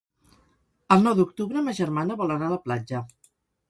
El nou d'octubre ma germana vol anar a la platja.